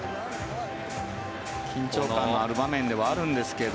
緊張感のある場面ではあるんですけど。